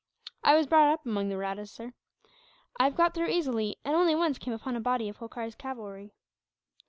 "I was brought up among the Mahrattas, sir. I have got through easily, and only once came upon a body of Holkar's cavalry."